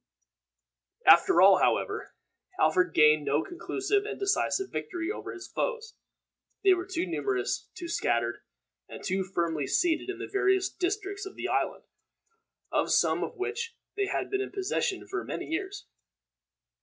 After all, however, Alfred gained no conclusive and decisive victory over his foes. They were too numerous, too scattered, and too firmly seated in the various districts of the island, of some of which they had been in possession for many years.